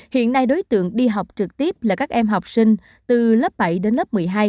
hiện nay đối tượng đi học trực tiếp là các em học sinh từ lớp bảy đến lớp một mươi hai